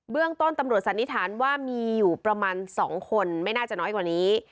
เรื่องต้นตำรวจสันนิษฐานว่ามีอยู่ประมาณ๒คนไม่น่าจะน้อยกว่านี้